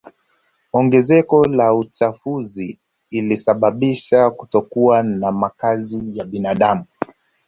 Ongezeko la uchafuzi ulisababisha kutokuwa kwa makazi ya binadamu